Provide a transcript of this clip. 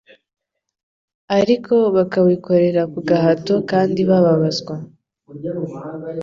ariko bakawikorera ku gahato kandi bababazwa.